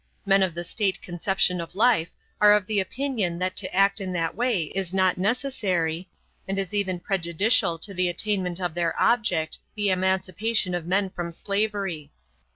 Men of the state conception of life are of the opinion that to act in that way is not necessary, and is even prejudicial to the attainment of their object, the emancipation of men from slavery.